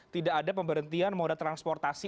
tidak ada pemberhentian moda transportasi